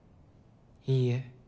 いいえ